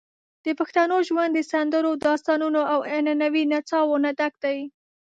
د پښتنو ژوند د سندرو، داستانونو، او عنعنوي نڅاوو نه ډک دی.